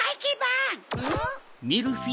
ん？